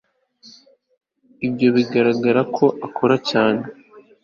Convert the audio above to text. ibyo bigaragara ko nkora cyane